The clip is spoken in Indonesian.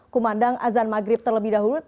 kumandang azan maghrib terlebih dahulu